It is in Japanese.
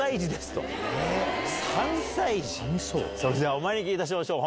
それではお招きいたしましょう。